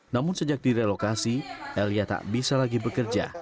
namun sejak direlokasi elia tak bisa lagi bekerja